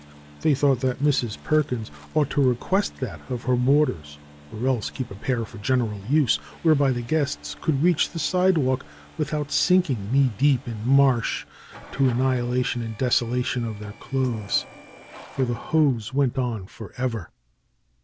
They thought that Mrs. Perkins ought to request that of her boarders or else keep a pair for general use, whereby the guests could reach the sidewalk without sinking knee deep in marsh, to the annihilation and desolation of their clothes. For the hose went on forever